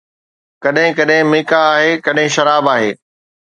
ڪڏھن ڪڏھن ميڪا آھي، ڪڏھن شراب آھي